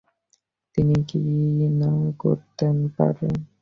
তিনি কী না করিতে পারেন?